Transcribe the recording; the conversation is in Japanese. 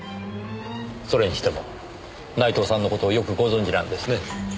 それにしても内藤さんの事をよくご存じなんですね。